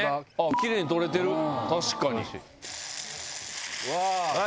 きれいに取れてる確かにわぁ！